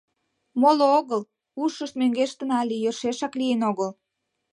Моло огыл — ушышт мӧҥгештын але йӧршешак лийын огыл.